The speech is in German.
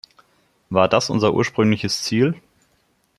War das unser ursprüngliches Ziel?